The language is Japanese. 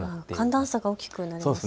寒暖差が大きくなりますね。